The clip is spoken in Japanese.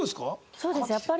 そうですねやっぱり。